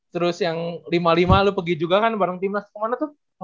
terus yang lima lima lu pergi juga kan bareng timnas kemana tuh